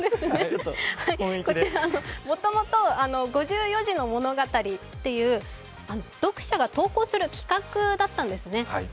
もともと５４字の物語という読者が投稿する企画だったんですね。